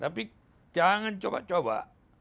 tapi jangan coba coba